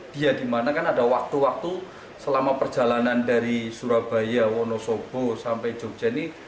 dia dimana kan ada waktu waktu selama perjalanan dari surabaya wonosobo sampai jogja ini